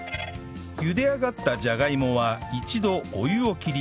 ゆで上がったじゃがいもは一度お湯を切り